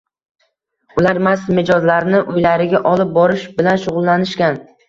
Ular mast mijozlarni uylariga olib borish bilan shug‘ullanishgan.